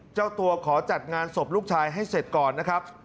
เจ้าตัวขอจัดงานศพลูกชายให้เสร็จก่อนนะครับ